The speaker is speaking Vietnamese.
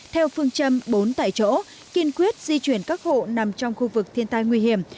theo phương châm bốn tại chỗ kiên quyết di chuyển các hộ nằm trong khu vực thiên tai nguy hiểm